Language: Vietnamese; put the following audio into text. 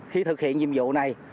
khi thực hiện nhiệm vụ này